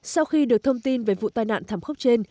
sau khi được thông tin về vụ tai nạn thảm khốc trên